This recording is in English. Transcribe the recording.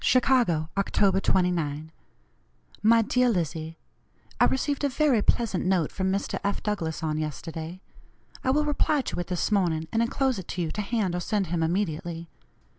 "CHICAGO, October 29. "MY DEAR LIZZIE: I received a very pleasant note from Mr. F. Douglass on yesterday. I will reply to it this morning, and enclose it to you to hand or send him immediately.